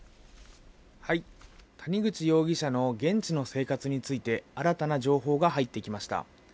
谷口容疑者の現地の生活について、新たな情報が入ってきました。